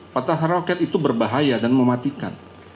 patahan roket itu berbahaya dan mematikan